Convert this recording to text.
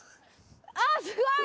あっすごい！